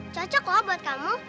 cocok loh buat kamu